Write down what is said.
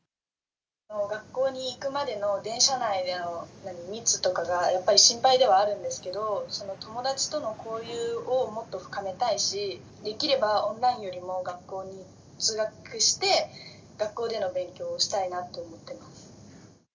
学校に行くまでの電車内での密とかがやっぱり心配ではあるんですけれども、友達との交流をもっと深めたいし、できればオンラインよりも学校に通学して、学校での勉強をしたいなと思ってます。